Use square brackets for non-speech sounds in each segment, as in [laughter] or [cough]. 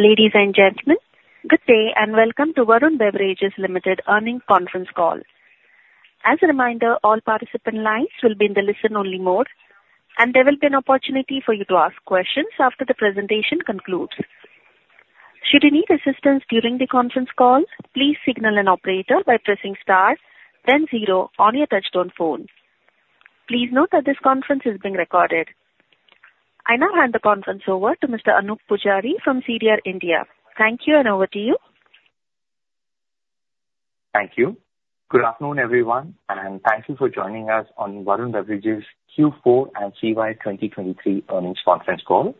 Ladies and gentlemen, good day, and welcome to Varun Beverages Limited earnings conference call. As a reminder, all participant lines will be in the listen-only mode, and there will be an opportunity for you to ask questions after the presentation concludes. Should you need assistance during the conference call, please signal an operator by pressing star, then zero on your touchtone phone. Please note that this conference is being recorded. I now hand the conference over to Mr. Anoop Poojari from CDR India. Thank you, and over to you. Thank you. Good afternoon, everyone, and thank you for joining us on Varun Beverages Q4 and CY 2023 earnings conference call.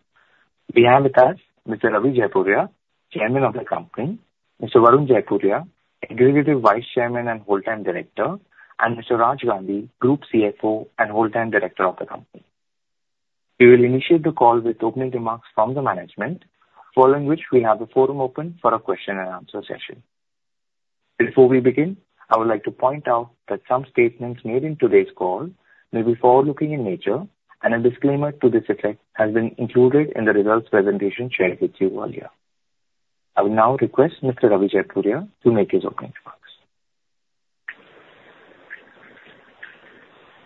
We have with us Mr. Ravi Jaipuria, Chairman of the company, Mr. Varun Jaipuria, Executive Vice Chairman and Whole-Time Director, and Mr. Raj Gandhi, Group CFO and Whole-Time Director of the company. We will initiate the call with opening remarks from the management, following which we have the forum open for a question and answer session. Before we begin, I would like to point out that some statements made in today's call may be forward-looking in nature, and a disclaimer to this effect has been included in the results presentation shared with you earlier. I will now request Mr. Ravi Jaipuria to make his opening remarks.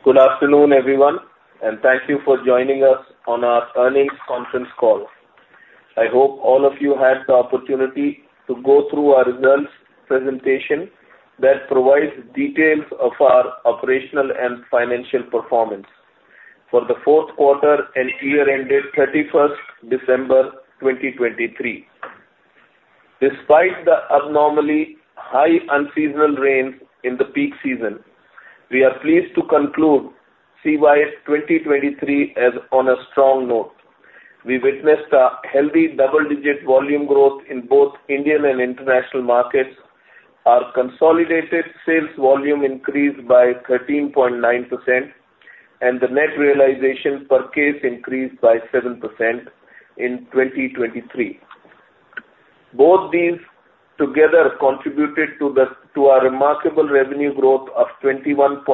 Good afternoon, everyone, and thank you for joining us on our earnings conference call. I hope all of you had the opportunity to go through our results presentation that provides details of our operational and financial performance for the fourth quarter and year ended 31st December 2023. Despite the abnormally high unseasonal rains in the peak season, we are pleased to conclude CY 2023 on a strong note. We witnessed a healthy double-digit volume growth in both Indian and international markets. Our consolidated sales volume increased by 13.9%, and the net realization per case increased by 7% in 2023. Both these together contributed to our remarkable revenue growth of 21.8%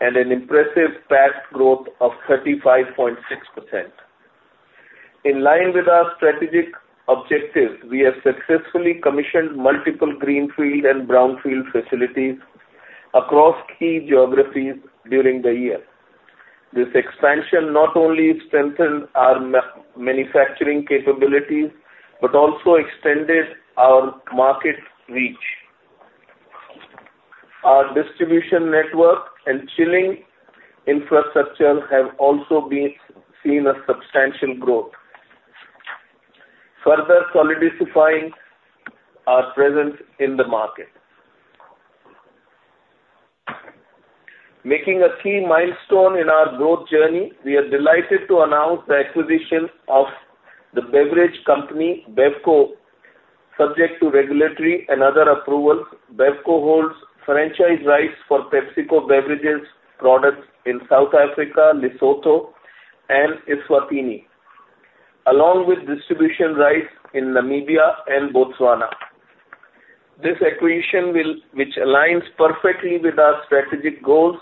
and an impressive PAT growth of 35.6%. In line with our strategic objectives, we have successfully commissioned multiple greenfield and brownfield facilities across key geographies during the year. This expansion not only strengthened our manufacturing capabilities, but also extended our market reach. Our distribution network and chilling infrastructure have also seen a substantial growth, further solidifying our presence in the market. Marking a key milestone in our growth journey, we are delighted to announce the acquisition of The Beverage Company, BevCo. Subject to regulatory and other approvals, BevCo holds franchise rights for PepsiCo beverages products in South Africa, Lesotho and Eswatini, along with distribution rights in Namibia and Botswana. This acquisition, which aligns perfectly with our strategic goals,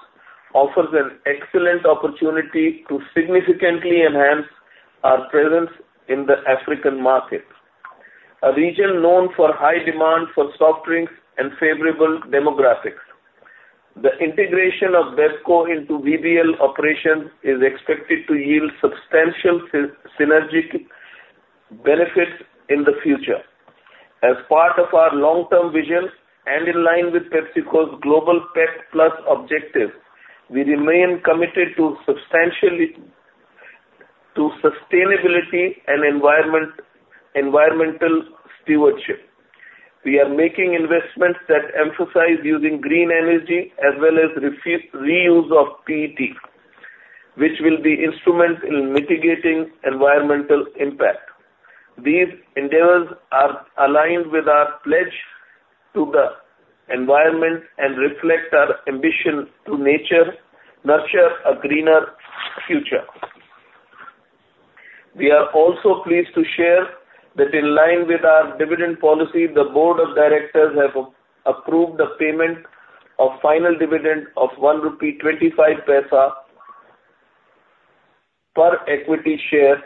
offers an excellent opportunity to significantly enhance our presence in the African market, a region known for high demand for soft drinks and favorable demographics. The integration of BevCo into VBL operations is expected to yield substantial synergic benefits in the future. As part of our long-term vision, and in line with PepsiCo's global pep+ objective, we remain committed to substantially to sustainability and environmental stewardship. We are making investments that emphasize using green energy as well as reuse of PET, which will be instrumental in mitigating environmental impact. These endeavors are aligned with our pledge to the environment and reflect our ambition to nurture a greener future. We are also pleased to share that in line with our dividend policy, the Board of Directors have approved the payment of final dividend of 1.25 rupee per equity share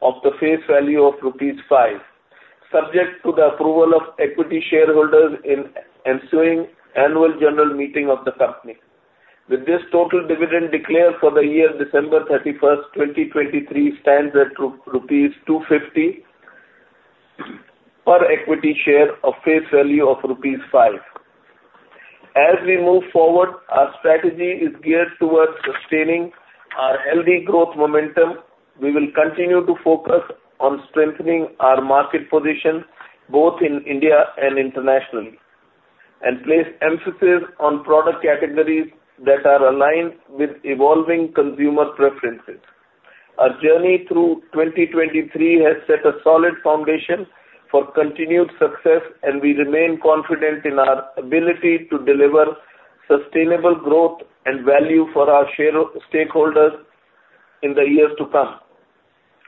of the face value of rupees 5, subject to the approval of equity shareholders in ensuing annual general meeting of the company. With this total dividend declared for the year, December 31st, 2023, stands at rupees 2.50 per equity share of face value of rupees 5. As we move forward, our strategy is geared towards sustaining our healthy growth momentum. We will continue to focus on strengthening our market position both in India and internationally, and place emphasis on product categories that are aligned with evolving consumer preferences. Our journey through 2023 has set a solid foundation for continued success, and we remain confident in our ability to deliver sustainable growth and value for our shareholders in the years to come.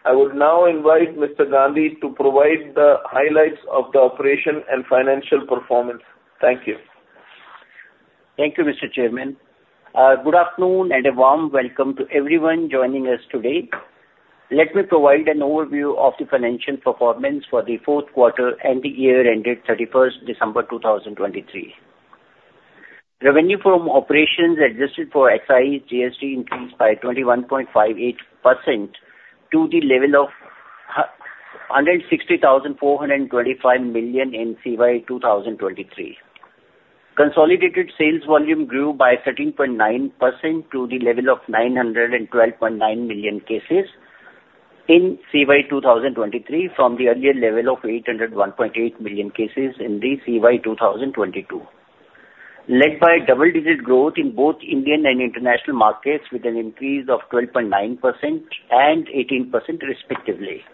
I would now invite Mr. Gandhi to provide the highlights of the operation and financial performance. Thank you. Thank you, Mr. Chairman. Good afternoon, and a warm welcome to everyone joining us today. Let me provide an overview of the financial performance for the fourth quarter and the year ended 31st December, 2023. Revenue from operations adjusted for excise/GST increased by 21.58% to the level of 160,425 million in CY 2023. Consolidated sales volume grew by 13.9% to the level of 912.9 million cases in CY 2023, from the earlier level of 801.8 million cases in the CY 2022. Led by double-digit growth in both Indian and international markets, with an increase of 12.9% and 18% respectively.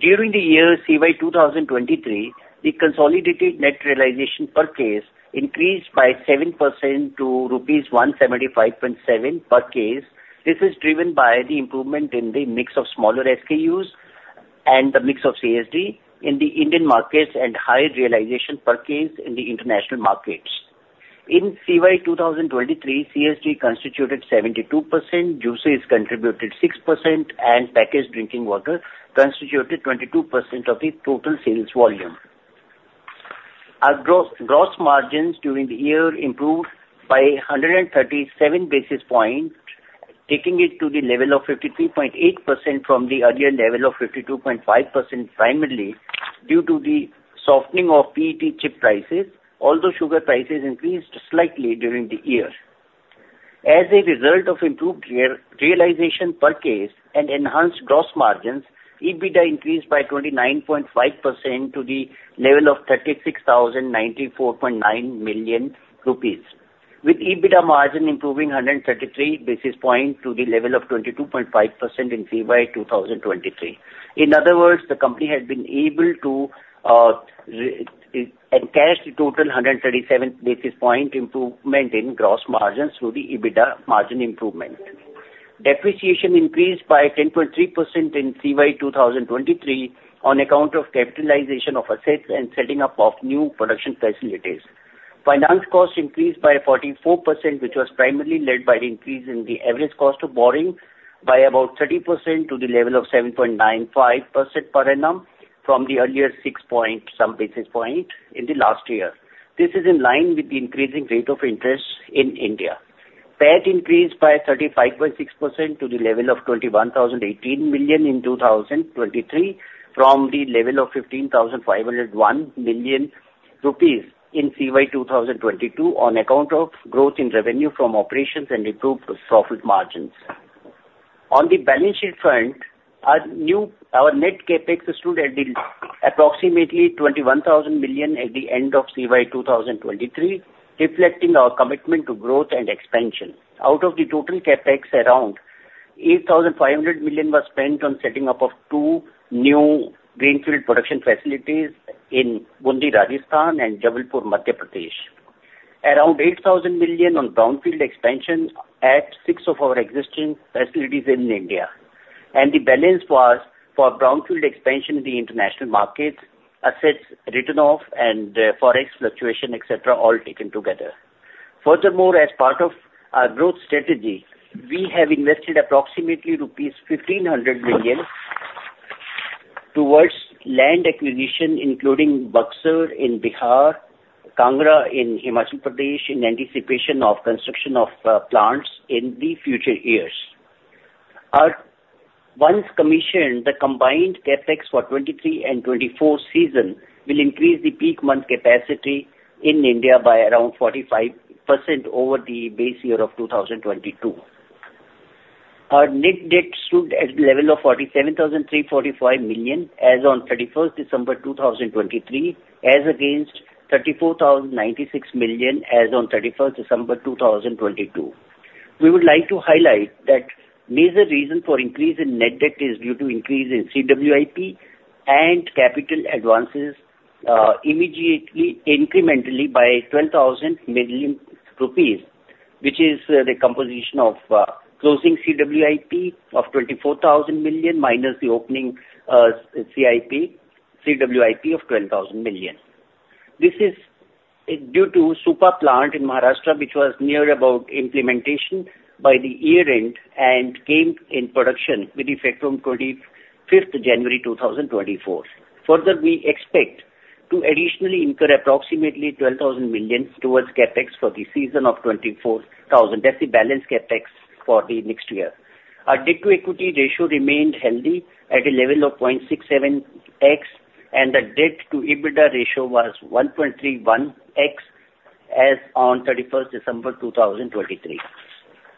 During the year CY 2023, the consolidated net realization per case increased by 7% to rupees 175.7 per case. This is driven by the improvement in the mix of smaller SKUs and the mix of CSD in the Indian markets, and higher realization per case in the international markets. In CY 2023, CSD constituted 72%, juices contributed 6%, and packaged drinking water constituted 22% of the total sales volume. Our gross margins during the year improved by 137 basis points, taking it to the level of 52.8% from the earlier level of 52.5%, primarily due to the softening of PET chip prices, although sugar prices increased slightly during the year. As a result of improved re-realization per case and enhanced gross margins, EBITDA increased by 29.5% to the level of 36,094.9 million rupees, with EBITDA margin improving 133 basis points to the level of 22.5% in CY 2023. In other words, the company has been able to encash the total 137 basis point improvement in gross margins through the EBITDA margin improvement. Depreciation increased by 10.3% in CY 2023 on account of capitalization of assets and setting up of new production facilities. Finance costs increased by 44%, which was primarily led by the increase in the average cost of borrowing by about 30% to the level of 7.95% per annum, from the earlier 6-point-something percent in the last year. This is in line with the increasing rate of interest in India. PAT increased by 35.6% to the level of 21,018 million in 2023, from the level of 15,501 million rupees in CY 2022, on account of growth in revenue from operations and improved profit margins. On the balance sheet front, our net CapEx stood at approximately 21,000 million at the end of CY 2023, reflecting our commitment to growth and expansion. Out of the total CapEx, around 8,500 million was spent on setting up of two new greenfield production facilities in Bundi, Rajasthan and Jabalpur, Madhya Pradesh. Around 8,000 million on brownfield expansion at six of our existing facilities in India, and the balance was for brownfield expansion in the international markets, assets written off and, forex fluctuation, et cetera, all taken together. Furthermore, as part of our growth strategy, we have invested approximately rupees 1,500 million towards land acquisition, including Buxar in Bihar, Kangra in Himachal Pradesh, in anticipation of construction of, plants in the future years. Once commissioned, the combined CapEx for 2023 and 2024 season will increase the peak month capacity in India by around 45% over the base year of 2022. Our net debt stood at the level of 47,345 million as on 31st December 2023, as against 34,096 million as on 31st December 2022. We would like to highlight that major reason for increase in net debt is due to increase in CWIP and capital advances, immediately, incrementally by 12,000 million rupees, which is the composition of, closing CWIP of 24,000 million, minus the opening, CWIP of 12,000 million. This is, due to Supa plant in Maharashtra, which was near about implementation by the year-end and came in production with effect from 25th January 2024. Further, we expect to additionally incur approximately 12,000 million towards CapEx for the season of CY 2024. That's the balance CapEx for the next year. Our debt-to-equity ratio remained healthy at a level of 0.67x, and the debt-to-EBITDA ratio was 1.31x as on 31st December 2023.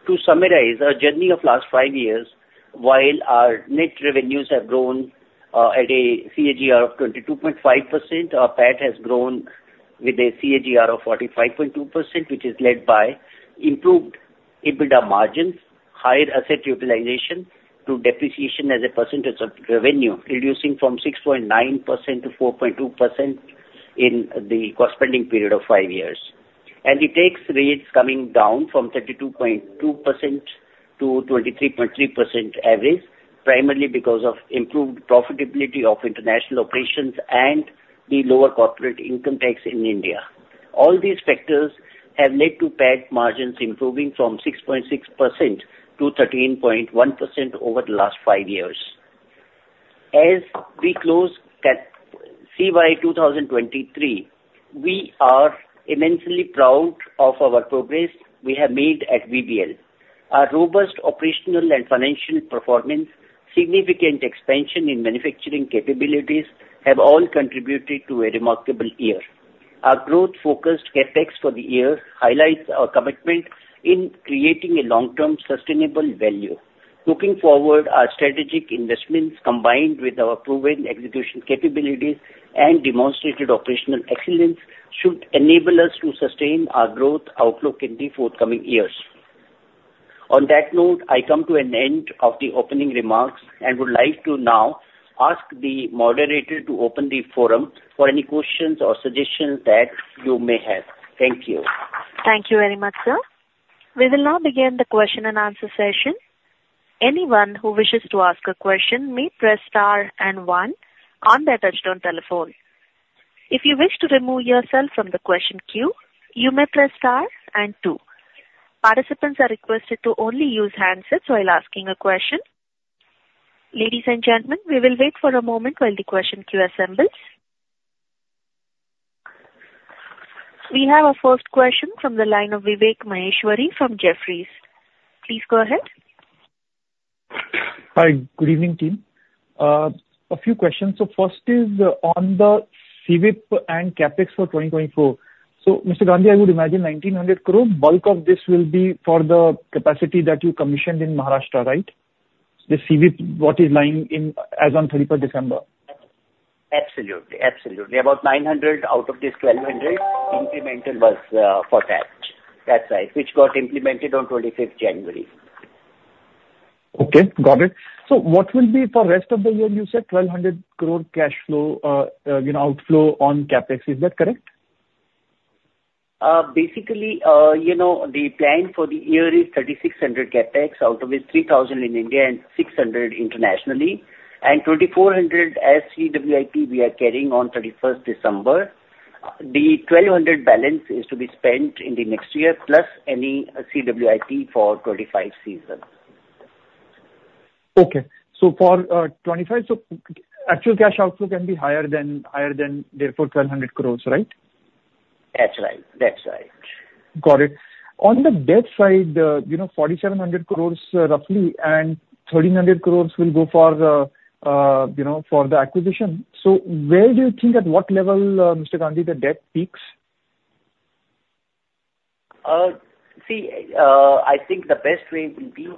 To summarize, our journey of last five years, while our net revenues have grown at a CAGR of 22.5%, our PAT has grown with a CAGR of 45.2%, which is led by improved EBITDA margins, higher asset utilization to depreciation as a percentage of revenue, reducing from 6.9% to 4.2% in the corresponding period of five years. And the tax rates coming down from 32.2% to 23.3% average, primarily because of improved profitability of international operations and the lower corporate income tax in India. All these factors have led to PAT margins improving from 6.6% to 13.1% over the last five years. As we close CY 2023, we are immensely proud of our progress we have made at VBL. Our robust operational and financial performance, significant expansion in manufacturing capabilities, have all contributed to a remarkable year. Our growth-focused CapEx for the year highlights our commitment in creating a long-term sustainable value. Looking forward, our strategic investments, combined with our proven execution capabilities and demonstrated operational excellence, should enable us to sustain our growth outlook in the forthcoming years. On that note, I come to an end of the opening remarks and would like to now ask the moderator to open the forum for any questions or suggestions that you may have. Thank you. Thank you very much, sir. We will now begin the question and answer session. Anyone who wishes to ask a question may press star and one on their touchtone telephone. If you wish to remove yourself from the question queue, you may press star and two. Participants are requested to only use handsets while asking a question. Ladies and gentlemen, we will wait for a moment while the question queue assembles. We have our first question from the line of Vivek Maheshwari from Jefferies. Please go ahead. Hi. Good evening, team. A few questions. First is on the CWIP and CapEx for 2024. Mr. Gandhi, I would imagine 1,900 crore, bulk of this will be for the capacity that you commissioned in Maharashtra, right? The CWIP, what is lying in as on 31st December. Absolutely. Absolutely. About 900 crore out of this 1,200 crore incremental was for that. That's right, which got implemented on 25th January. Okay, got it. So what will be for rest of the year? You said 1,200 crore cash flow, you know, outflow on CapEx, is that correct? Basically, you know, the plan for the year is INR 3,600 crore CapEx, out of which INR 3,000 crore in India and INR 600 crore internationally, and INR 2,400 crore as CWIP, we are carrying on 31st December. The INR 1,200 crore balance is to be spent in the next year, plus any CWIP for 2025 season. Okay. So for 2025, so actual cash outflow can be higher than, higher than therefore 1,200 crore, right? That's right. That's right. Got it. On the debt side, you know, 4,700 crore roughly, and 1,300 crore will go for, you know, for the acquisition. So where do you think, at what level, Mr. Gandhi, the debt peaks? See, I think the best way will be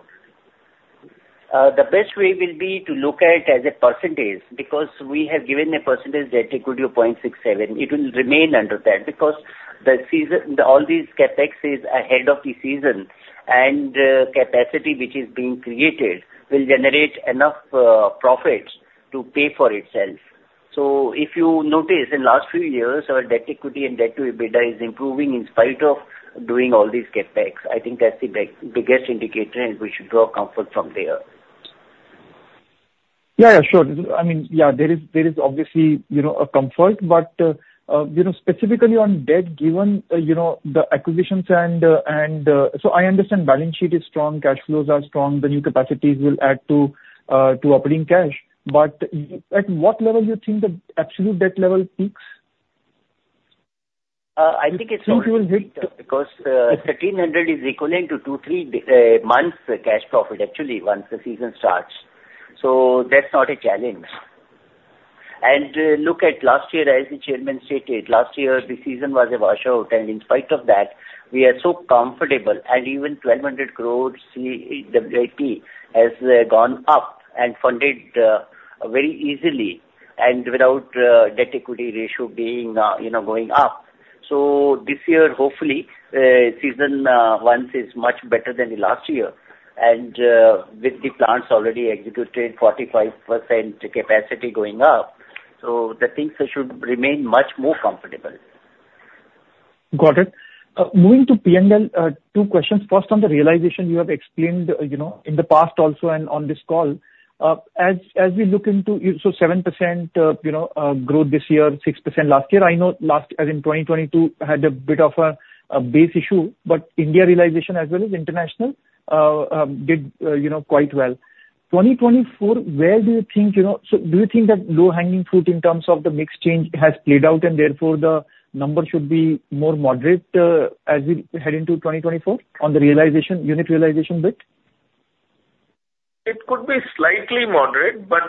to look at it as a percentage, because we have given a percentage debt equity of 0.67. It will remain under that, because the season, all these CapEx is ahead of the season, and capacity which is being created will generate enough profits to pay for itself. So if you notice, in last few years, our debt equity and debt to EBITDA is improving in spite of doing all these CapEx. I think that's the big, biggest indicator, and we should draw comfort from there. Yeah, yeah, sure. I mean, yeah, there is, there is obviously, you know, a comfort, but, you know, specifically on debt, given, you know, the acquisitions and, so I understand balance sheet is strong, cash flows are strong, the new capacities will add to, to operating cash, but at what level you think the absolute debt level peaks? I think it's not. Think you will hit. [crosstalk] Because, 1,300 is equivalent to two to three months cash profit, actually, once the season starts. So that's not a challenge. And, look at last year, as the chairman stated, last year, the season was a washout, and in spite of that, we are so comfortable and even 1,200 crore CWIP has gone up and funded very easily and without debt-to-equity ratio being, you know, going up. So this year, hopefully, season once is much better than the last year. And, with the plants already executed, 45% capacity going up, so the things should remain much more comfortable. Got it. Moving to P&L, two questions. First, on the realization you have explained, you know, in the past also and on this call, as we look into it, so 7%, you know, growth this year, 6% last year. I know last, as in 2022, had a bit of a base issue, but India realization as well as international did, you know, quite well. 2024, where do you think, you know? So do you think that low-hanging fruit in terms of the mix change has played out, and therefore the number should be more moderate, as we head into 2024 on the realization, unit realization bit? It could be slightly moderate, but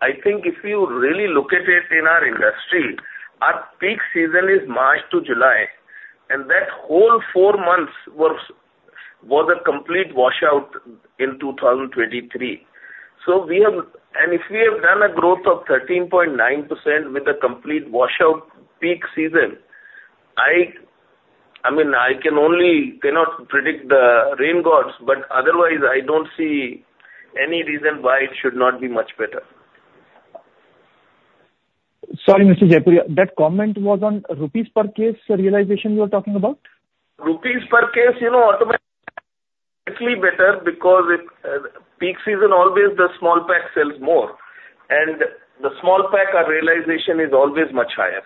I think if you really look at it in our industry, our peak season is March to July, and that whole four months was a complete washout in 2023. So we have and if we have done a growth of 13.9% with a complete washout peak season, I mean, I cannot predict the rain gods, but otherwise I don't see any reason why it should not be much better. Sorry, Mr. Jaipuria, that comment was on rupees per case realization you are talking about? Rupees per case, you know, automatically better because it, peak season, always the small pack sells more, and the small pack, our realization is always much higher.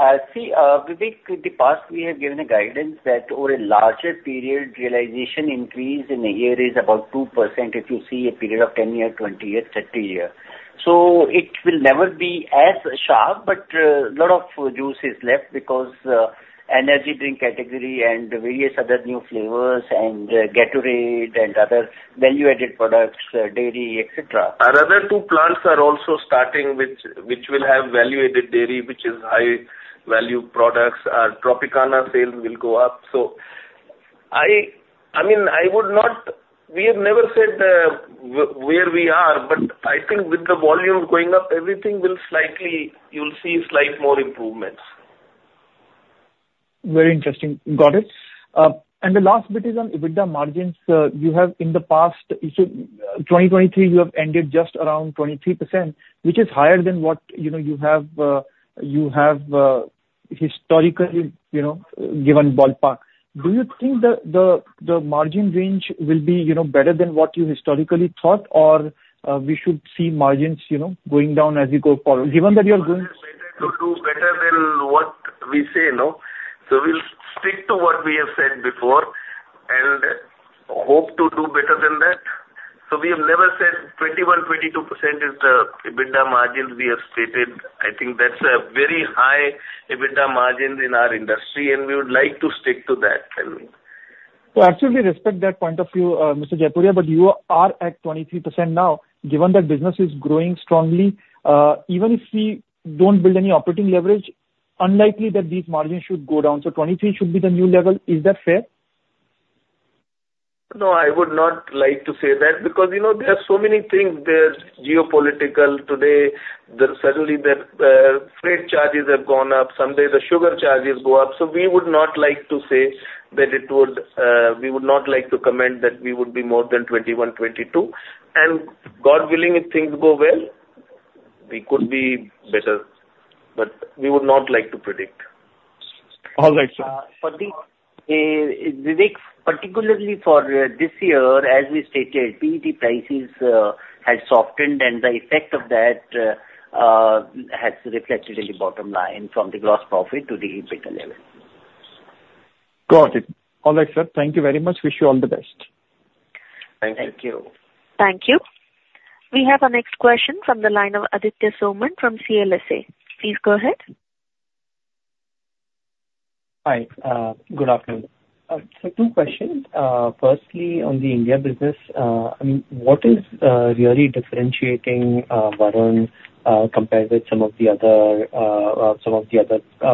Vivek, in the past, we have given a guidance that over a larger period, realization increase in a year is about 2%, if you see a period of 10 year, 20 years, 30 year. So it will never be as sharp, but a lot of juice is left because energy drink category and various other new flavors and Gatorade and other value-added products, dairy, et cetera. Our other two plants are also starting, which will have value-added dairy, which is high value products. Our Tropicana sales will go up. So I mean, I would not. We have never said where we are, but I think with the volume going up, everything will slightly, you'll see slight more improvements. Very interesting. Got it. And the last bit is on EBITDA margins. You have in the past, so 2023, you have ended just around 23%, which is higher than what, you know, you have historically, you know, given ballpark. Do you think that the margin range will be, you know, better than what you historically thought, or we should see margins, you know, going down as we go forward? Given that you are going. To do better than what we say, no. So we'll stick to what we have said before and hope to do better than that. So we have never said 21%-22% is the EBITDA margins we have stated. I think that's a very high EBITDA margin in our industry, and we would like to stick to that, I mean. Well, I absolutely respect that point of view, Mr. Jaipuria, but you are at 23% now, given that business is growing strongly, even if we don't build any operating leverage, unlikely that these margins should go down. So 23% should be the new level. Is that fair? No, I would not like to say that, because, you know, there are so many things. There's geopolitical today, there suddenly the freight charges have gone up. Someday the sugar charges go up. So we would not like to say that it would, we would not like to comment that we would be more than 21%-22%. And God willing, if things go well, we could be better, but we would not like to predict. All right, sir. But, Vivek, particularly for this year, as we stated, PET prices has softened, and the effect of that has reflected in the bottom line from the gross profit to the EBITDA level. Got it. All right, sir. Thank you very much. Wish you all the best. Thank you. Thank you. Thank you. We have our next question from the line of Aditya Soman from CLSA. Please go ahead. Hi, good afternoon. So two questions. Firstly, on the India business, I mean, what is really differentiating Varun compared with some of the other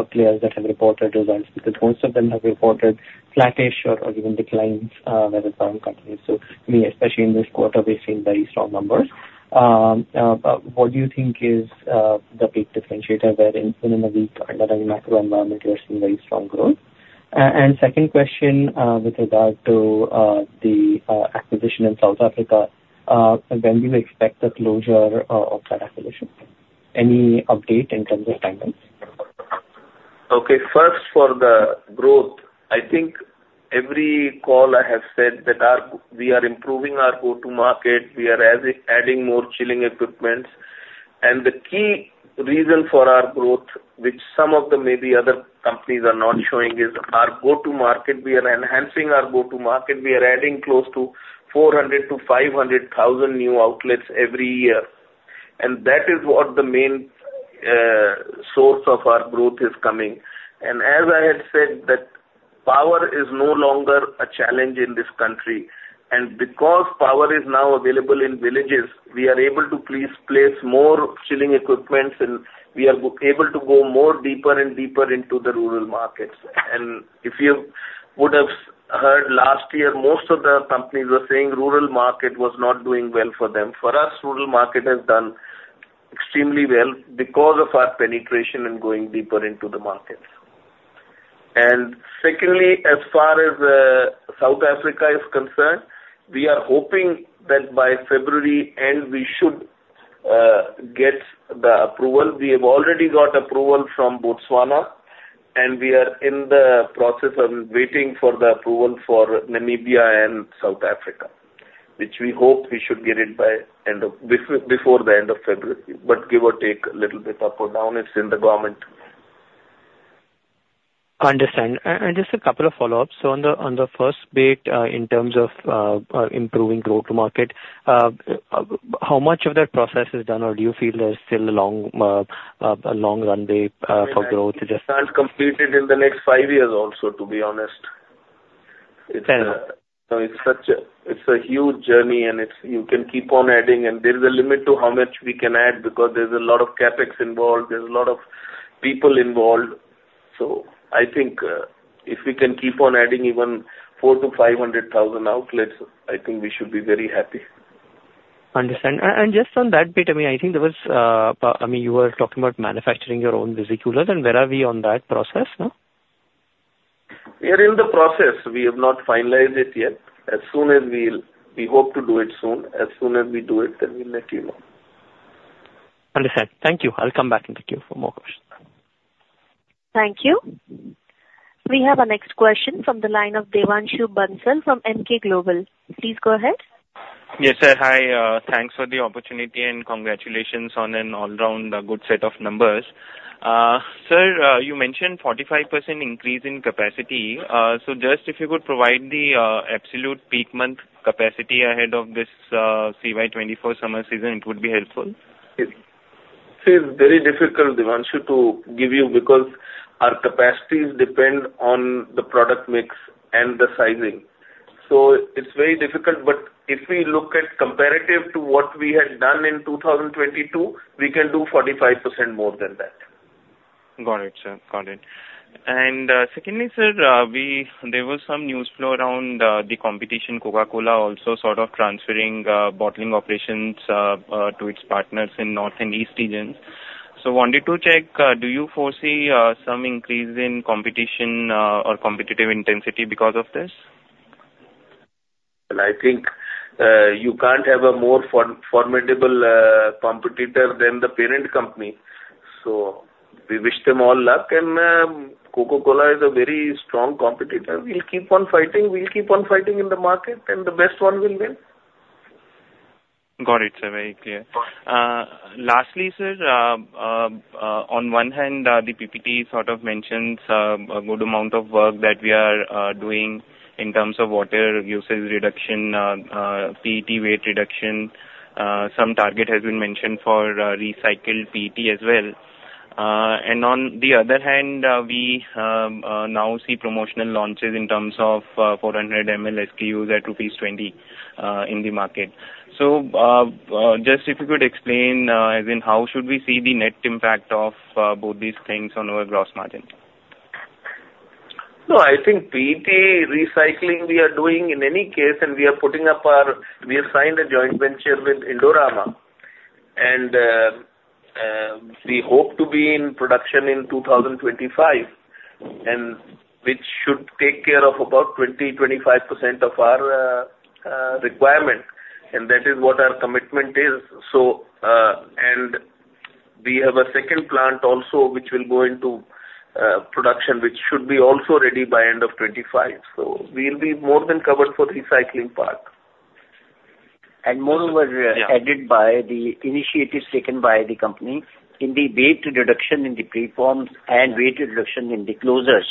players that have reported results? Because most of them have reported flattish or even declines where the current companies. So we, especially in this quarter, we've seen very strong numbers. But what do you think is the big differentiator where in a weak underlying macro environment, you are seeing very strong growth? And second question, with regard to the acquisition in South Africa, when do you expect the closure of that acquisition? Any update in terms of timelines? Okay, first, for the growth, I think every call I have said that our, we are improving our go-to market. We are adding, adding more chilling equipment. And the key reason for our growth, which some of the maybe other companies are not showing, is our go-to market. We are enhancing our go-to market. We are adding close to 400,000-500,000 new outlets every year, and that is what the main source of our growth is coming. And as I had said, that power is no longer a challenge in this country, and because power is now available in villages, we are able to place more chilling equipment, and we are able to go more deeper and deeper into the rural markets. And if you would have heard last year, most of the companies were saying rural market was not doing well for them. For us, rural market has done extremely well because of our penetration and going deeper into the markets. And secondly, as far as South Africa is concerned, we are hoping that by February end, we should get the approval. We have already got approval from Botswana, and we are in the process of waiting for the approval for Namibia and South Africa, which we hope we should get it before the end of February, but give or take a little bit up or down. It's in the government. Understand. And just a couple of follow-ups. So on the first bit, in terms of improving growth to market, how much of that process is done or do you feel there's still a long runway for growth to just. Can't complete it in the next five years also, to be honest. Fair enough. It's a huge journey, and it's, you can keep on adding, and there is a limit to how much we can add because there's a lot of CapEx involved. There's a lot of people involved. So I think, if we can keep on adding even 400,000-500,000 outlets, I think we should be very happy. Understand. And just on that bit, I mean, I think there was, I mean, you were talking about manufacturing your own preforms, and where are we on that process now? We are in the process. We have not finalized it yet. As soon as we'll, we hope to do it soon. As soon as we do it, then we'll let you know. Understood. Thank you. I'll come back into queue for more questions. Thank you. We have our next question from the line of Devanshu Bansal from Emkay Global. Please go ahead. Yes, sir. Hi, thanks for the opportunity and congratulations on an all-round, good set of numbers. Sir, you mentioned 45% increase in capacity. So just if you could provide the, absolute peak month capacity ahead of this, CY 2024 summer season, it would be helpful. It is very difficult, Devanshu, to give you, because our capacities depend on the product mix and the sizing, so it's very difficult. But if we look at comparative to what we had done in 2022, we can do 45% more than that. Got it, sir. Got it. And, secondly, sir, there was some news flow around the competition, Coca-Cola, also sort of transferring bottling operations to its partners in North and East regions. So wanted to check, do you foresee some increase in competition or competitive intensity because of this? Well, I think, you can't have a more formidable competitor than the parent company, so we wish them all luck. Coca-Cola is a very strong competitor. We'll keep on fighting. We'll keep on fighting in the market, and the best one will win. Got it, sir. Very clear. Lastly, sir, on one hand, the PPT sort of mentions a good amount of work that we are doing in terms of water usage reduction, PET weight reduction. Some target has been mentioned for recycled PET as well. And on the other hand, we now see promotional launches in terms of 400 ml SKUs at rupees 20 in the market. So, just if you could explain as in how should we see the net impact of both these things on our gross margin? No, I think PET recycling we are doing in any case, and we are putting up our, we have signed a joint venture with Indorama, and we hope to be in production in 2025, and which should take care of about 20%-25% of our requirement, and that is what our commitment is. So, and we have a second plant also, which will go into production, which should be also ready by end of 2025. So we'll be more than covered for the recycling part. And moreover, added by the initiatives taken by the company in the weight reduction in the preforms and weight reduction in the closures,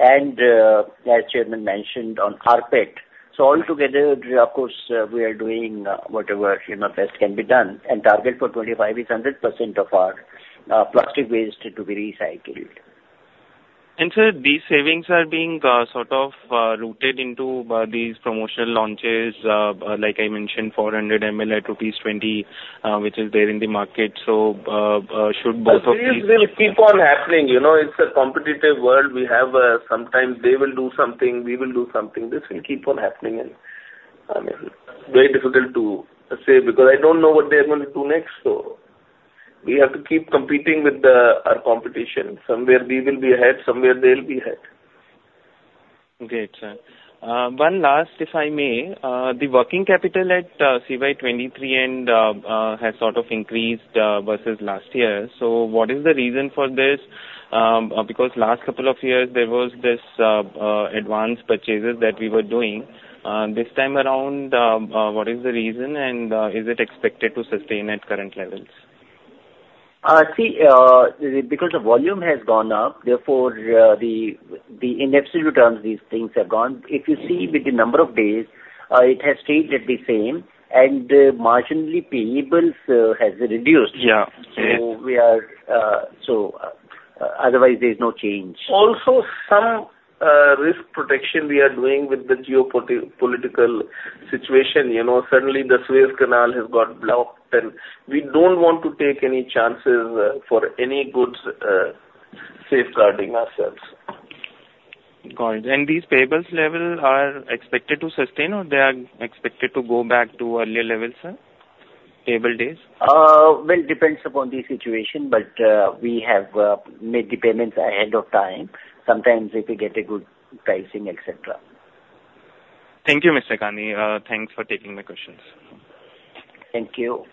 and, as chairman mentioned, on rPET. So all together, of course, we are doing, whatever, you know, best can be done, and target for 2025 is 100% of our plastic waste to be recycled. Sir, these savings are being sort of rooted into these promotional launches, like I mentioned, 400 ml at rupees 20, which is there in the market. So, should both of these. These will keep on happening. You know, it's a competitive world. We have, sometimes they will do something, we will do something. This will keep on happening, and, I mean, very difficult to say, because I don't know what they're going to do next. So we have to keep competing with, our competition. Somewhere we will be ahead, somewhere they'll be ahead. Great, sir. One last, if I may. The working capital at CY 2023 and has sort of increased versus last year. So what is the reason for this? Because last couple of years there was this advanced purchases that we were doing. This time around, what is the reason, and is it expected to sustain at current levels? See, because the volume has gone up, therefore, the in absolute terms, these things have gone. If you see with the number of days, it has stayed at the same and marginally payables has reduced. Yeah. So we are, so, otherwise there's no change. Also, some risk protection we are doing with the geopolitical situation. You know, suddenly the Suez Canal has got blocked, and we don't want to take any chances, for any goods, safeguarding ourselves. Got it. And these payables level are expected to sustain, or they are expected to go back to earlier levels, sir? Payable days. Well, depends upon the situation, but we have made the payments ahead of time. Sometimes if we get a good pricing, et cetera. Thank you, Mr. Gandhi. Thanks for taking my questions. Thank you.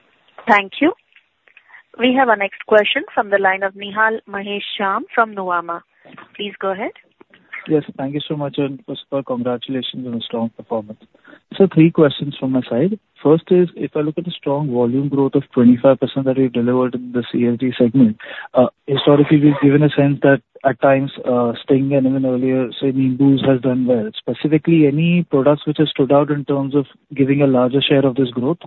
Thank you. We have our next question from the line of Nihal Mahesh Jham from Nuvama. Please go ahead. Yes, thank you so much. And first of all, congratulations on a strong performance. Three questions from my side. First is, if I look at the strong volume growth of 25% that you delivered in the CSD segment, historically, we've given a sense that at times, Sting and even earlier, so I mean, those has done well. Specifically, any products which have stood out in terms of giving a larger share of this growth?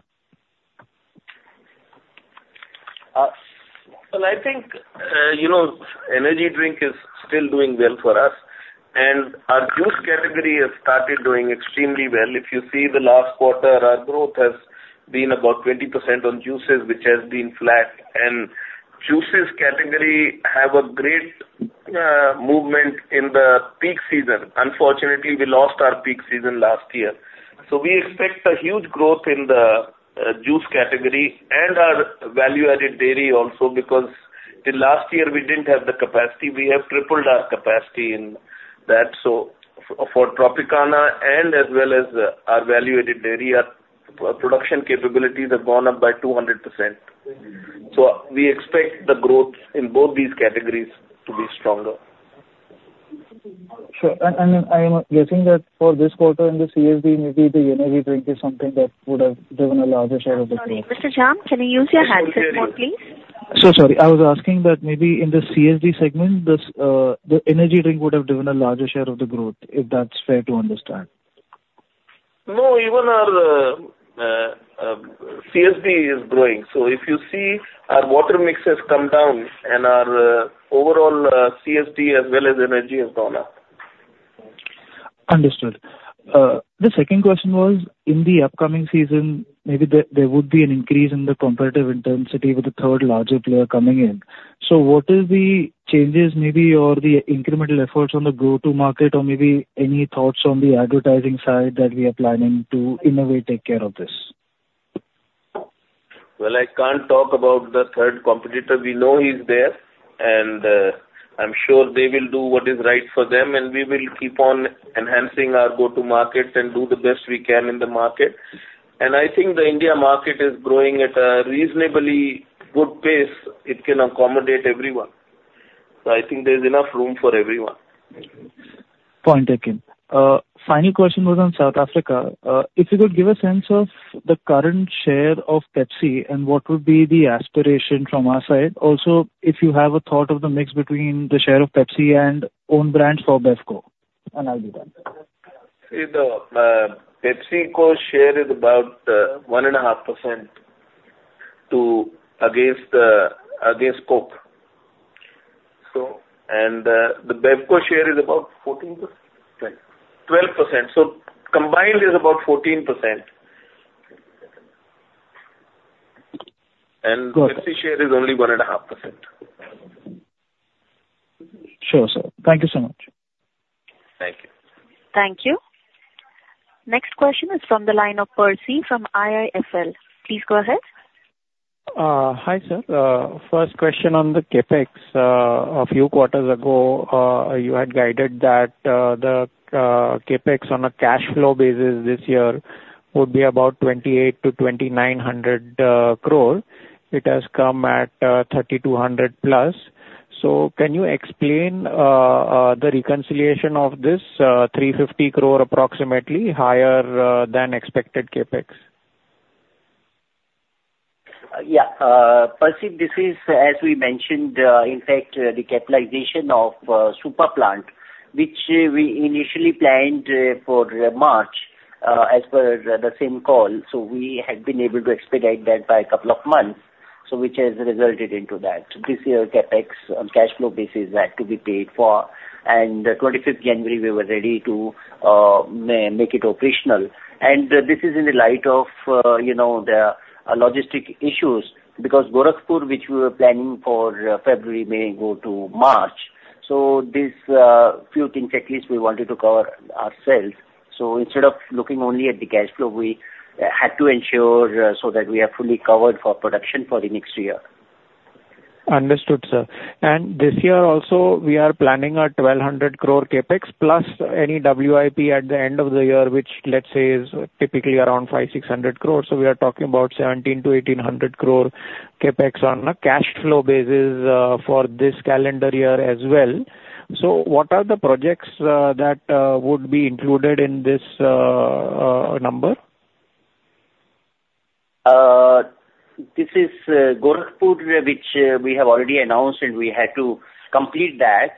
Well, I think, you know, energy drink is still doing well for us, and our juice category has started doing extremely well. If you see the last quarter, our growth has been about 20% on juices, which has been flat. And juices category have a great movement in the peak season. Unfortunately, we lost our peak season last year. So we expect a huge growth in the juice category and our value-added dairy also, because in last year, we didn't have the capacity. We have tripled our capacity in that. So for, for Tropicana and as well as our value-added dairy, our production capabilities have gone up by 200%. So we expect the growth in both these categories to be stronger. Sure. And, and I'm guessing that for this quarter, in the CSD, maybe the energy drink is something that would have driven a larger share of the. Sorry, Mr. Jham, can you use your handset more, please? So sorry. I was asking that maybe in the CSD segment, this, the energy drink would have driven a larger share of the growth, if that's fair to understand. No, even our CSD is growing. So if you see, our water mix has come down and our overall CSD as well as energy has gone up. Understood. The second question was, in the upcoming season, maybe there, there would be an increase in the competitive intensity with the third larger player coming in. So what is the changes maybe, or the incremental efforts on the go-to market, or maybe any thoughts on the advertising side that we are planning to, in a way, take care of this? Well, I can't talk about the third competitor. We know he's there, and, I'm sure they will do what is right for them, and we will keep on enhancing our go-to markets and do the best we can in the market. And I think the India market is growing at a reasonably good pace. It can accommodate everyone. So I think there's enough room for everyone. Point taken. Final question was on South Africa. If you could give a sense of the current share of Pepsi and what would be the aspiration from our side. Also, if you have a thought of the mix between the share of Pepsi and own brands for BevCo, and I'll be done. See, the PepsiCo share is about 1.5% to against against Coke. So, the BevCo share is about 14%? 12%. 12%. So combined is about 14%. And. Got it. Pepsi share is only 1.5%. Sure, sir. Thank you so much. Thank you. Thank you. Next question is from the line of Percy from IIFL. Please go ahead. Hi, sir. First question on the CapEx. A few quarters ago, you had guided that the CapEx on a cash flow basis this year would be about 2,800 crore-2,900 crore. It has come at 3,200+ crore. So can you explain the reconciliation of this 350 crore, approximately higher than expected CapEx? Yeah, Percy, this is, as we mentioned, in fact, the capitalization of Supa plant, which we initially planned for March, as per the same call. So we had been able to expedite that by a couple of months, so which has resulted into that. This year, CapEx on cash flow basis had to be paid for, and 25th January, we were ready to make it operational. And this is in the light of, you know, the logistics issues, because Gorakhpur, which we were planning for February, may go to March. So this few things at least we wanted to cover ourselves. So instead of looking only at the cash flow, we had to ensure, so that we are fully covered for production for the next year. Understood, sir. This year also, we are planning a 1,200 crore CapEx, plus any WIP at the end of the year, which, let's say, is typically around 500 crore-600 crore. We are talking about 1,700 crore-1,800 crore CapEx on a cash flow basis for this calendar year as well. What are the projects that would be included in this number? This is Gorakhpur, which we have already announced, and we had to complete that.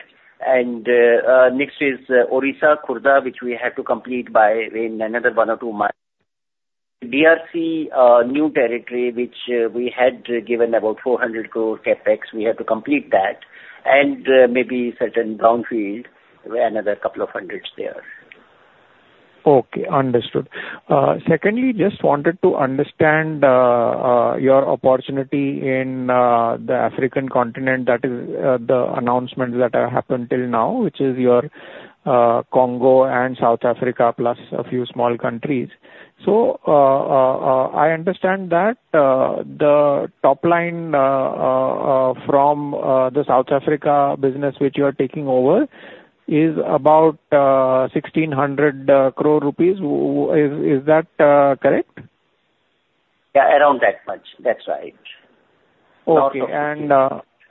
Next is Odisha, Khurda, which we had to complete by in another one or two months. DRC, new territory, which we had given about 400 crore CapEx, we have to complete that, and maybe certain brownfield, another couple of hundreds there. Okay, understood. Secondly, just wanted to understand your opportunity in the African continent. That is, the announcement that happened till now, which is your Congo and South Africa, plus a few small countries. So, I understand that the top line from the South Africa business, which you are taking over, is about 1,600 crore rupees. Is that correct? Yeah, around that much. That's right. Okay.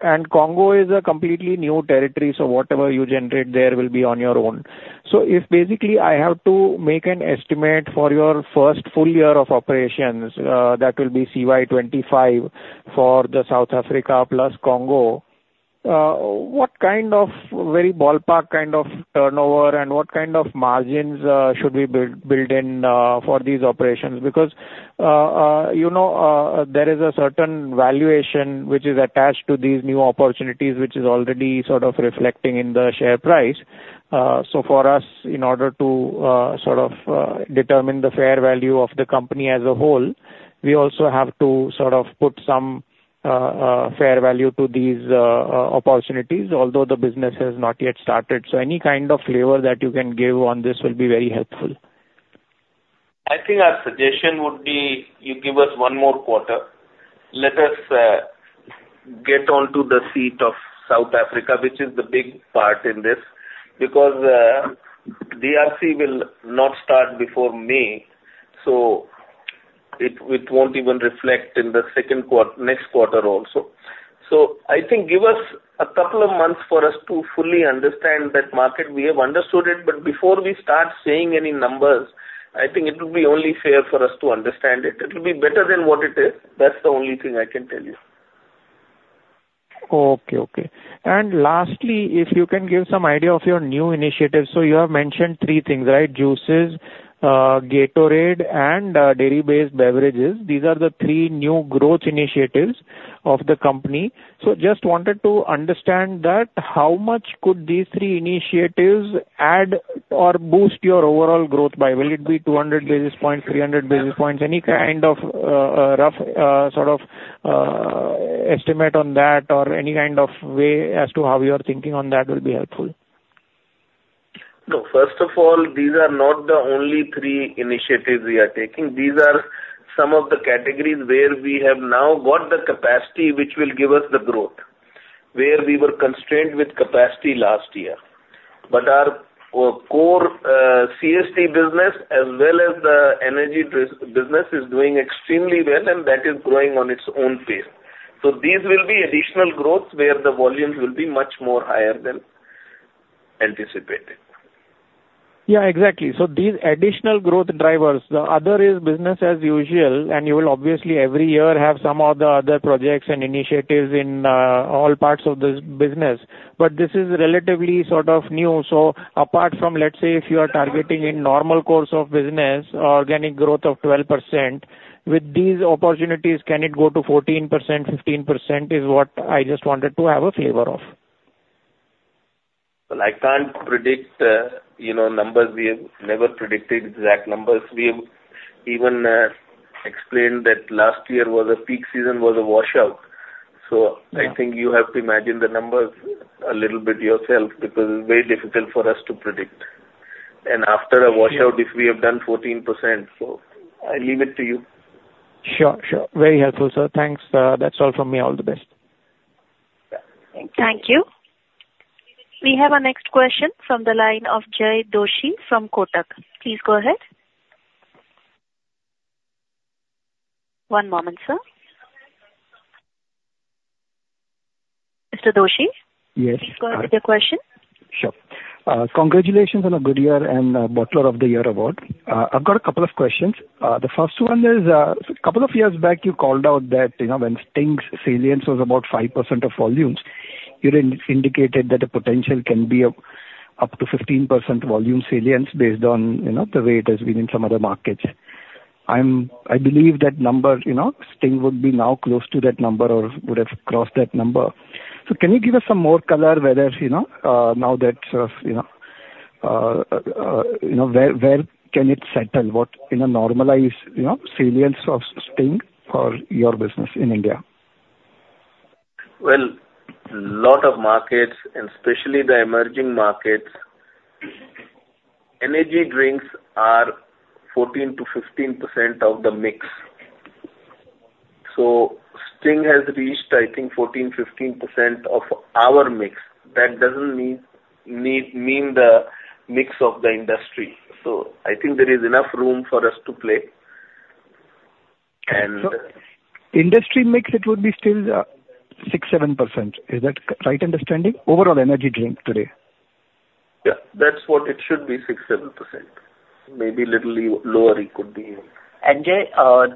And Congo is a completely new territory, so whatever you generate there will be on your own. So if basically I have to make an estimate for your first full year of operations, that will be CY 2025, for the South Africa plus Congo, what kind of very ballpark kind of turnover and what kind of margins should we build in for these operations? Because, you know, there is a certain valuation which is attached to these new opportunities, which is already sort of reflecting in the share price. So for us, in order to sort of determine the fair value of the company as a whole. We also have to sort of put some fair value to these opportunities, although the business has not yet started. Any kind of flavor that you can give on this will be very helpful. I think our suggestion would be, you give us one more quarter. Let us get onto the seat of South Africa, which is the big part in this, because DRC will not start before May, so it won't even reflect in the next quarter also. So I think give us a couple of months for us to fully understand that market. We have understood it, but before we start saying any numbers, I think it would be only fair for us to understand it. It will be better than what it is. That's the only thing I can tell you. Okay, okay. And lastly, if you can give some idea of your new initiatives. So you have mentioned three things, right? Juices, Gatorade, and dairy-based beverages. These are the three new growth initiatives of the company. So just wanted to understand that how much could these three initiatives add or boost your overall growth by? Will it be 200 basis points, 300 basis points? Any kind of a rough sort of estimate on that or any kind of way as to how you are thinking on that will be helpful. Look, first of all, these are not the only three initiatives we are taking. These are some of the categories where we have now got the capacity, which will give us the growth, where we were constrained with capacity last year. But our core CSD business, as well as the energy drink business, is doing extremely well, and that is growing on its own pace. So these will be additional growth where the volumes will be much more higher than anticipated. Yeah, exactly. So these additional growth drivers, the other is business as usual, and you will obviously every year have some of the other projects and initiatives in, all parts of this business. But this is relatively sort of new. So apart from, let's say, if you are targeting in normal course of business, organic growth of 12%, with these opportunities, can it go to 14%, 15%? Is what I just wanted to have a flavor of. Well, I can't predict, you know, numbers. We have never predicted exact numbers. We have even explained that last year was a peak season, was a washout. So I think you have to imagine the numbers a little bit yourself, because it's very difficult for us to predict. And after a washout, if we have done 14%, so I leave it to you. Sure, sure. Very helpful, sir. Thanks. That's all from me. All the best. Yeah. Thank you. Thank you. We have our next question from the line of Jai Doshi from Kotak. Please go ahead. One moment, sir. Mr. Doshi? Yes. Please go ahead with your question. Sure. Congratulations on a good year and Bottler of the Year award. I've got a couple of questions. The first one is, so a couple of years back, you called out that, you know, when Sting's salience was about 5% of volumes, you indicated that the potential can be up to 15% volume salience based on, you know, the way it has been in some other markets. I believe that number, you know, Sting would be now close to that number or would have crossed that number. So can you give us some more color whether, you know, now that, you know, where can it settle? What in a normalized, you know, salience of Sting for your business in India? Well, lot of markets, and especially the emerging markets, energy drinks are 14%-15% of the mix. So Sting has reached, I think, 14-15% of our mix. That doesn't mean the mix of the industry. So I think there is enough room for us to play. And. Industry mix, it would be still 6%-7%. Is that right understanding? Overall energy drink today. Yeah, that's what it should be, 6%-7%. Maybe little lower it could be. And, Jai,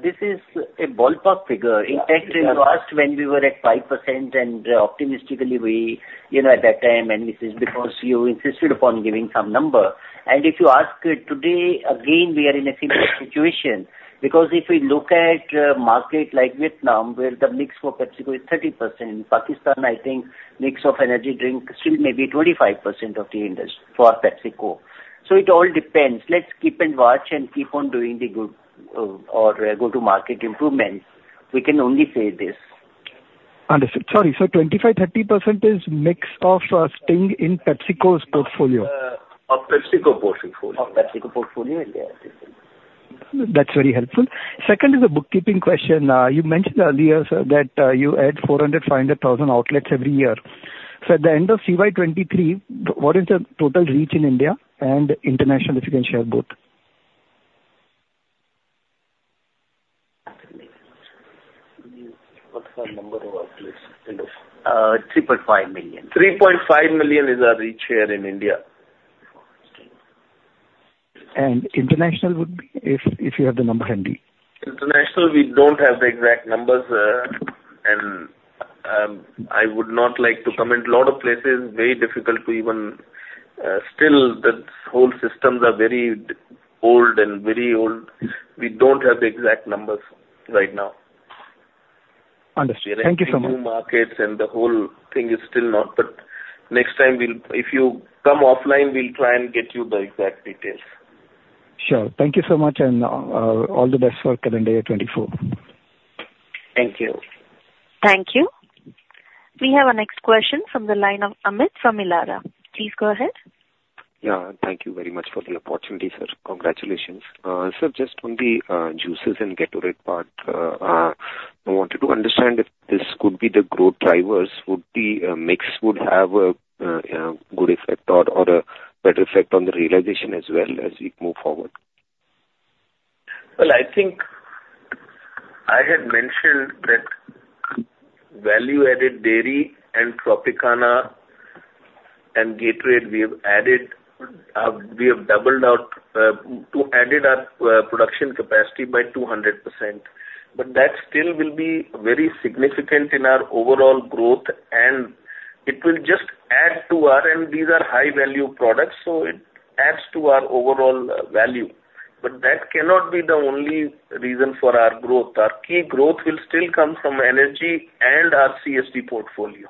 this is a ballpark figure. In fact, in the past, when we were at 5% and optimistically, we, you know, at that time, and this is because you insisted upon giving some number. And if you ask today, again, we are in a similar situation, because if we look at market like Vietnam, where the mix for PepsiCo is 30%. In Pakistan, I think mix of energy drink still may be 25% of the industry for PepsiCo. So it all depends. Let's keep and watch and keep on doing the good, or go to market improvements. We can only say this. Understood. Sorry, sir, 25%-30% is mix of Sting in PepsiCo's portfolio? Of PepsiCo portfolio. Of PepsiCo portfolio, yeah. That's very helpful. Second is a bookkeeping question. You mentioned earlier, sir, that you add 400,000-500,000 outlets every year. So at the end of CY 2023, what is the total reach in India and international, if you can share both? What's our number of outlets in those? 3.5 million. 3.5 million is our reach here in India. International would be, if, if you have the number handy. International, we don't have the exact numbers, and I would not like to comment. A lot of places, very difficult to even. Still, the whole systems are very old and very old. We don't have the exact numbers right now. Understood. Thank you so much. New markets and the whole thing is still not, but next time we'll, if you come offline, we'll try and get you the exact details. Sure. Thank you so much, and all the best for current year 2024. Thank you. Thank you. We have our next question from the line of Amit from Elara. Please go ahead. Yeah, thank you very much for the opportunity, sir. Congratulations. So just on the juices and Gatorade part, I wanted to understand if this could be the growth drivers. Would the mix have a good effect or a better effect on the realization as we move forward? Well, I think I had mentioned that value-added dairy and Tropicana and Gatorade, we have added, we have doubled our, to added our, production capacity by 200%. But that still will be very significant in our overall growth, and it will just add to our, and these are high value products, so it adds to our overall, value. But that cannot be the only reason for our growth. Our key growth will still come from energy and our CSD portfolio.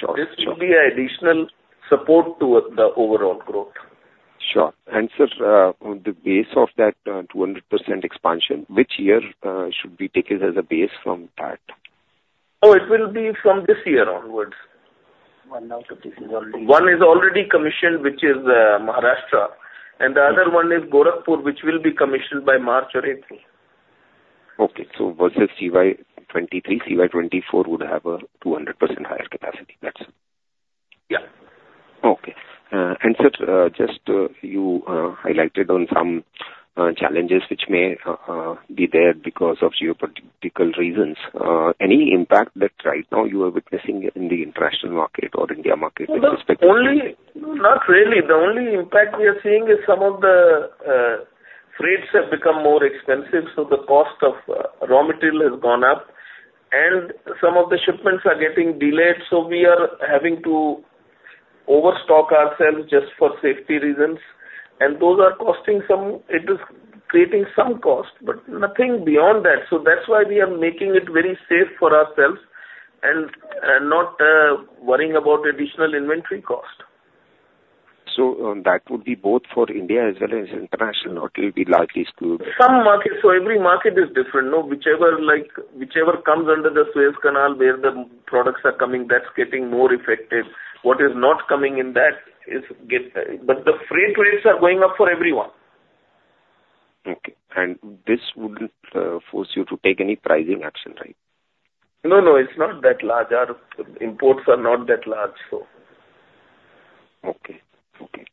Sure. This will be additional support to the overall growth. Sure. Sir, on the basis of that, 200% expansion, which year should be taken as a basis from that? Oh, it will be from this year onwards. One out of this is already. One is already commissioned, which is Maharashtra, and the other one is Gorakhpur, which will be commissioned by March or April. Okay. So versus CY 2023, CY 2024 would have a 200% higher capacity, that's it? Yeah. Okay. And, sir, just, you highlighted on some challenges which may be there because of geopolitical reasons. Any impact that right now you are witnessing in the international market or India market with respect to. Only, not really. The only impact we are seeing is some of the freights have become more expensive, so the cost of raw material has gone up. And some of the shipments are getting delayed, so we are having to overstock ourselves just for safety reasons. And those are costing some. It is creating some cost, but nothing beyond that. So that's why we are making it very safe for ourselves and not worrying about additional inventory cost. That would be both for India as well as international, or it will be largely to. Some markets. So every market is different, no? Whichever, like, whichever comes under the Suez Canal, where the products are coming, that's getting more affected. What is not coming in that is getting. But the freight rates are going up for everyone. Okay. This wouldn't force you to take any pricing action, right? No, no, it's not that large. Our imports are not that large, so. Okay. Okay.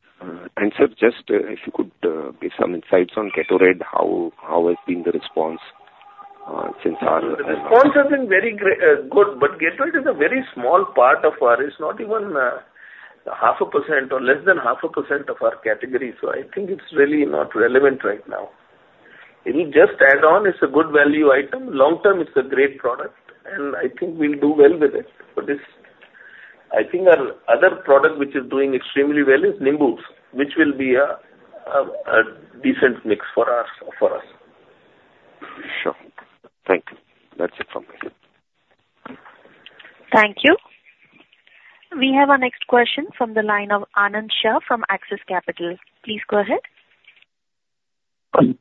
Sir, just if you could give some insights on Gatorade, how has been the response since our. The response has been very great, good, but Gatorade is a very small part of our. It's not even half a percent or less than half a percent of our category, so I think it's really not relevant right now. It'll just add on. It's a good value item. Long term, it's a great product, and I think we'll do well with it. But it's, I think our other product, which is doing extremely well, is Nimbooz, which will be a decent mix for us, for us. Sure. Thank you. That's it from my end. Thank you. We have our next question from the line of Anand Shah from Axis Capital. Please go ahead.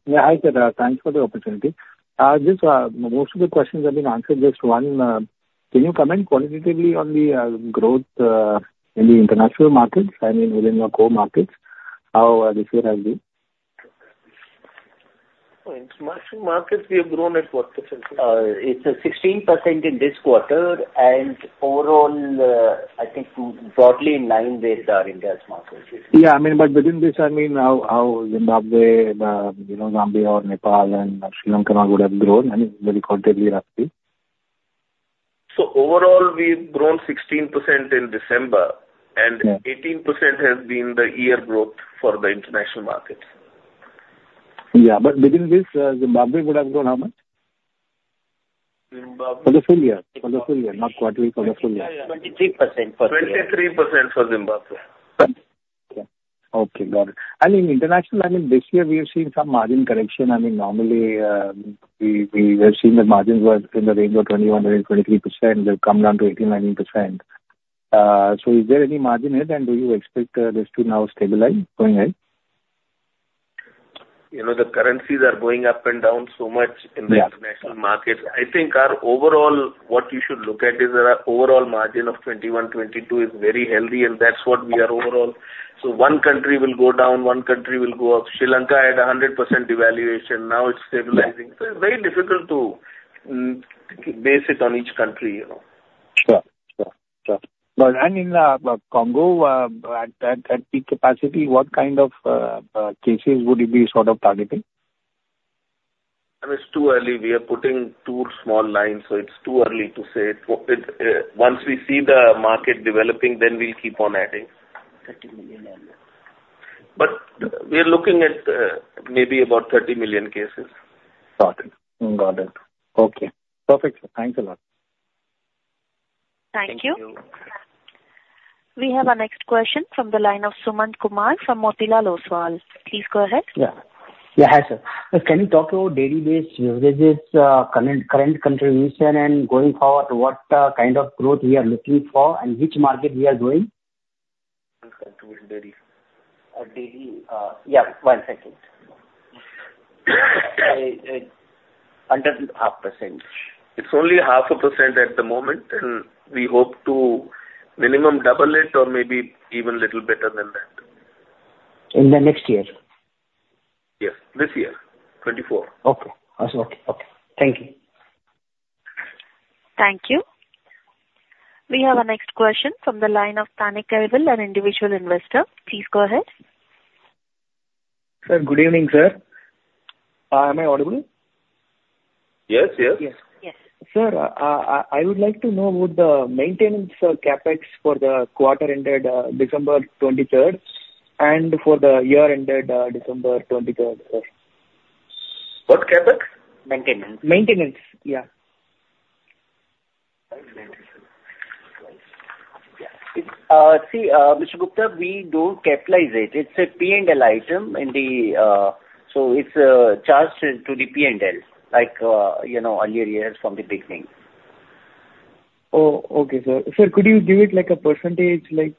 Yeah, hi there. Thanks for the opportunity. Just, most of the questions have been answered. Just one, can you comment qualitatively on the growth in the international markets? I mean, within your core markets, how this year has been? Oh, international markets, we have grown at what percent? It's 16% in this quarter and overall, I think broadly in line with our India's markets. Yeah, I mean, but within this, I mean, how, how Zimbabwe, you know, Zambia or Nepal and Sri Lanka would have grown, I mean, very qualitatively, roughly? Overall, we've grown 16% in December. Yeah. 18% has been the year growth for the international markets. Yeah, but within this, Zimbabwe would have grown how much? Zimbabwe. For the full year. For the full year, not quarterly, for the full year. 23% for the year. 23% for Zimbabwe. Okay. Got it. And in international, I mean, this year we have seen some margin correction. I mean, normally, we have seen the margins were in the range of 21%-23%, they've come down to 18%-19%. So is there any margin there, and do you expect this to now stabilize going ahead? You know, the currencies are going up and down so much. Yeah. In the international market. I think our overall, what you should look at is our overall margin of 21%-22% is very healthy, and that's what we are overall. So one country will go down, one country will go up. Sri Lanka had a 100% devaluation, now it's stabilizing. Yeah. It's very difficult to base it on each country, you know? Sure. Sure, sure. But in Congo, at peak capacity, what kind of cases would you be sort of targeting? I mean, it's too early. We are putting two small lines, so it's too early to say. So, once we see the market developing, then we'll keep on adding. 30 million annual. But we are looking at maybe about 30 million cases. Got it. Got it. Okay, perfect. Thanks a lot. Thank you. We have our next question from the line of Sumant Kumar from Motilal Oswal. Please go ahead. Yeah. Yeah, hi, sir. Can you talk about dairy-based beverages, current, current contribution and going forward, what kind of growth we are looking for and which market we are growing? Contribution dairy. Dairy, one second. Under 0.5%. It's only 0.5% at the moment, and we hope to minimum double it or maybe even little better than that. In the next year? Yes, this year, 2024. Okay. Awesome. Okay, thank you. Thank you. We have our next question from the line of Thanekaivel, an individual investor. Please go ahead. Sir, good evening, sir. Am I audible? Yes, yes. Yes. Yes. Sir, I would like to know about the maintenance CapEx for the quarter ended December 2023, and for the year ended December 2023, sir? What CapEx? Maintenance. Maintenance. Yeah. See, Mr. Gupta, we do capitalize it. It's a P&L item in the, so it's charged to the P&L, like, you know, earlier years from the beginning. Oh, okay, sir. Sir, could you give it like a percentage, like,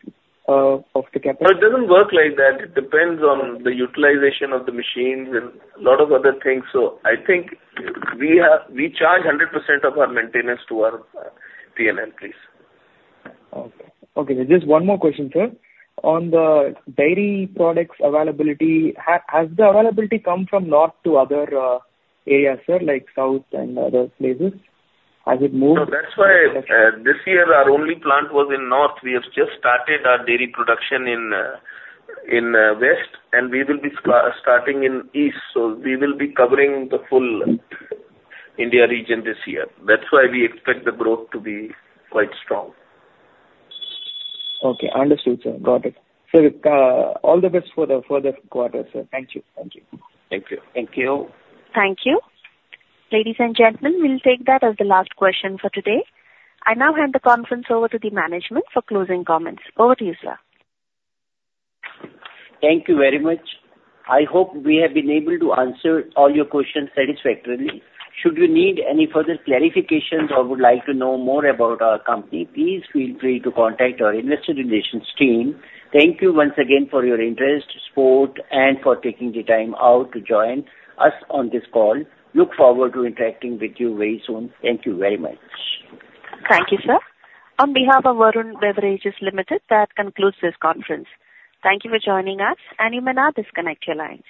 of the capital? No, it doesn't work like that. It depends on the utilization of the machines and lot of other things. So I think we charge 100% of our maintenance to our P&L, please. Okay. Okay, just one more question, sir. On the dairy products availability, has the availability come from North to other areas, sir, like South and other places? Has it moved? No, that's why this year our only plant was in North. We have just started our dairy production in West, and we will be starting in East. So we will be covering the full India region this year. That's why we expect the growth to be quite strong. Okay, understood, sir. Got it. Sir, all the best for the further quarters, sir. Thank you. Thank you. Thank you. Thank you. Thank you. Ladies and gentlemen, we'll take that as the last question for today. I now hand the conference over to the management for closing comments. Over to you, sir. Thank you very much. I hope we have been able to answer all your questions satisfactorily. Should you need any further clarifications or would like to know more about our company, please feel free to contact our investor relations team. Thank you once again for your interest, support, and for taking the time out to join us on this call. Look forward to interacting with you very soon. Thank you very much. Thank you, sir. On behalf of Varun Beverages Limited, that concludes this conference. Thank you for joining us, and you may now disconnect your lines.